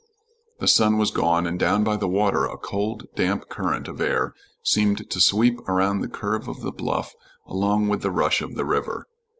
The sun was gone, and down by the water a cold, damp current of air seemed to sweep around the curve of the bluff along with the rush of the river.